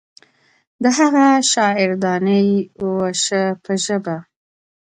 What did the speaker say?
د هغه شاعر دانې وشه په ژبه.